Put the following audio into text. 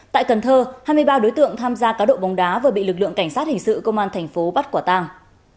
tại cần thơ hai mươi ba đối tượng tham gia cá độ bóng đá vừa bị lực lượng cảnh sát hình sự công an thành phố bắt quả tàng